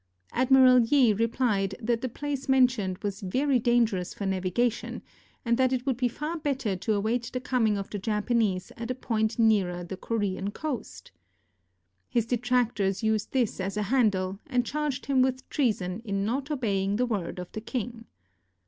Admiral Yi replied that the place mentioned was very dangerous for navigation, and that it would be far better to await the coming of the Japan ese at a point nearer the Korean coast. His detractors used this as a handle, and charged him with treason in not obeying the word of the king.